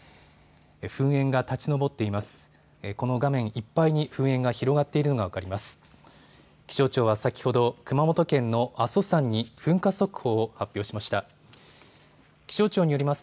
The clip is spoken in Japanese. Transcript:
噴煙が立ち上っています。